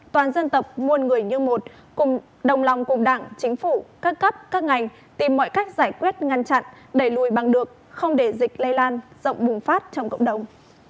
toàn dân tộc muôn người như một cùng đồng lòng cùng đảng chính phủ các cấp các ngành tìm mọi cách giải quyết ngăn chặn đẩy lùi bằng được không để dịch lây lan rộng bùng phát trong cộng đồng